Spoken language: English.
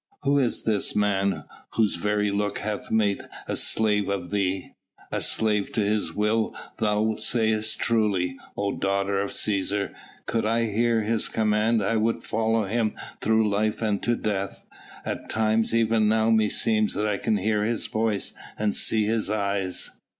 Who is this man, whose very look hath made a slave of thee?" "A slave to His will thou sayest truly, O daughter of Cæsar! Could I hear His command I would follow Him through life and to death. At times even now meseems that I can hear His voice and see His eyes